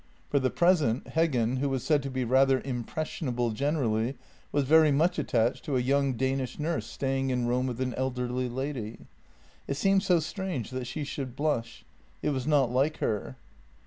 For the present, Heggen, who was said to be rather impressionable generally, was very much attached to a young Danish nurse staying in Rome with an elderly lady. It seemed so strange that she should blush ; it was not like her.